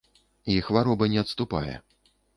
І хвароба не адступае.